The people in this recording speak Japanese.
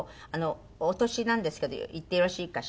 お年なんですけど言ってよろしいかしら？